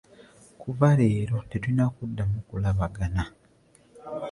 Kuva leero tetulina kuddamu kulabagana.